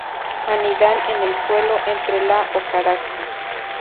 Anidan en el suelo, entre la hojarasca.